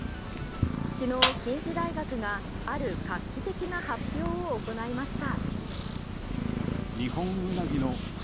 昨日、近畿大学がある画期的な発表を行いました。